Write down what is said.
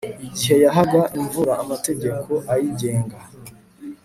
igihe yahaga imvura amategeko ayigenga